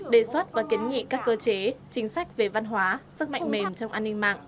đề xuất và kiến nghị các cơ chế chính sách về văn hóa sức mạnh mềm trong an ninh mạng